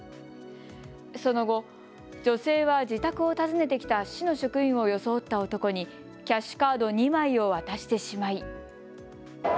その後、女性は自宅を訪ねてきた市の職員を装った男にキャッシュカード２枚を渡してしまい。